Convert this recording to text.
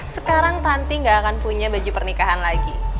sekarang tante ga akan punya baju pernikahan lagi